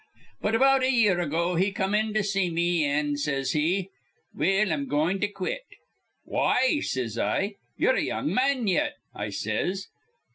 But about a year ago he come in to see me, an' says he, 'Well, I'm goin' to quit.' 'Why,' says I, 'ye'er a young man yet,' I says.